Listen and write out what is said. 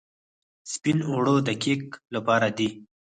سپین اوړه د کیک لپاره دي.